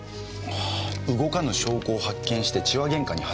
動かぬ証拠を発見して痴話ゲンカに発展したと。